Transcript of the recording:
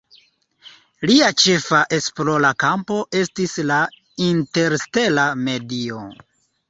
Lia ĉefa esplora kampo estis la interstela medio.